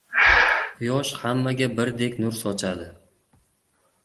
• Quyosh hammaga birdek nur sochadi.